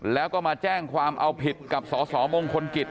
แล้วก็มาแจ้งความเอาผิดกับสสมงคลกิจ